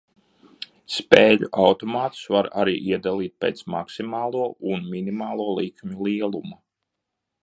Spēļu automātus var arī iedalīt pēc maksimālo un minimālo likmju lieluma.